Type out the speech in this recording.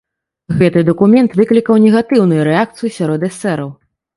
Гэты дакумент выклікаў негатыўную рэакцыю сярод эсэраў.